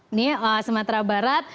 ini sumatera barat